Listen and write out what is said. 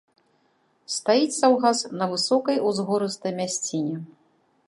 Стаіць саўгас на высокай, узгорыстай мясціне.